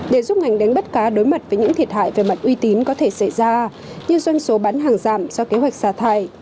để giúp ngành đánh bắt cá đối mặt với những thiệt hại về mặt uy tín có thể xảy ra như doanh số bán hàng giảm do kế hoạch xả thải